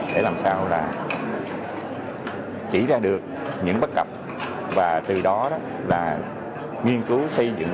để làm sao là chỉ ra được những bất cập và từ đó là nghiên cứu xây dựng